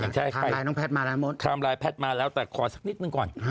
ต้องท่ามรายน้องแพทย์มาแล้วมนตร์แต่ขอสักนิดนึงก่อน